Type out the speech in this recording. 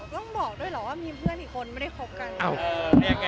ต้องบอกด้วยเหรอว่ามีเพื่อนอีกคนไม่ได้คบกัน